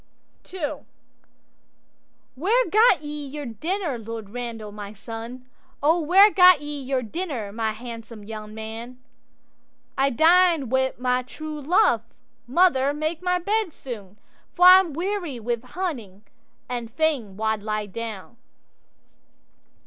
'II'Where gat ye your dinner, Lord Randal, my son? Where gat ye your dinner, my handsome young man?'—'I dined wi' my true love; mother, make my bed soon, For I'm weary wi' hunting, and fain wald lie down.